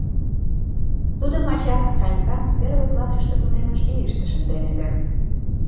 Тудым ача Санькан первый классыште тунеммыж ийыште шынден ыле.